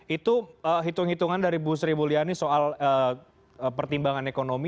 itu hitung hitungan dari bu sri mulyani soal pertimbangan ekonomi